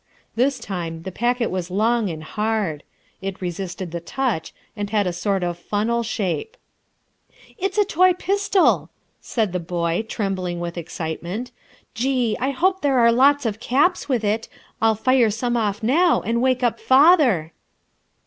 This time the packet was long and hard. It resisted the touch and had a sort of funnel shape. "It's a toy pistol!" said the boy, trembling with excitement. "Gee! I hope there are lots of caps with it! I'll fire some off now and wake up father."